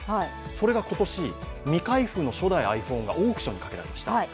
それが今年、未開封の初代ｉＰｈｏｎｅがオークションにかけられました。